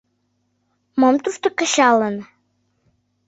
Мом тушто кычалын?..